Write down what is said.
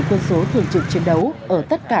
quân số thường trực chiến đấu ở tất cả